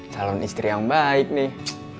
calon istri yang baik nih